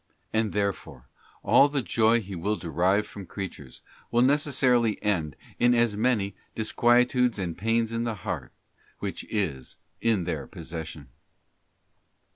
And, therefore, all the joy he will derive from ereatures, will necessarily end in as many disquietudes and pains in the heart which is in their possession.